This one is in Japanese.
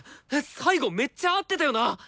最後めっちゃ合ってたよな！